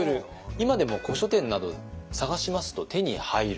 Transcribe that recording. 今でも古書店など探しますと手に入る。